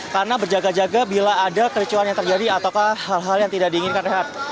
karena berjaga jaga bila ada kericuan yang terjadi atau hal hal yang tidak diinginkan renhardt